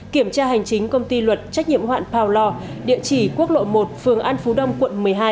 kiểm tra hành chính công ty luật trách nhiệm hữu hạn power law địa chỉ quốc lộ một phường an phú đông quận một mươi hai